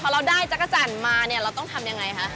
พอเราได้จักรจันทร์มาเราต้องทำอย่างไรคะ